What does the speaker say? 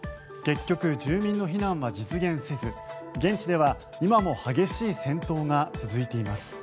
結局住民の避難は実現せず現地では今も激しい戦闘が続いています。